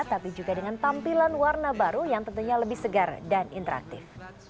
tapi juga dengan tampilan warna baru yang tentunya lebih segar dan interaktif